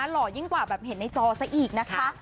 หล่อยิ่งกว่าแบบเห็นในจอซะอีกนะคะ